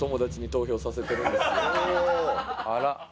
あら。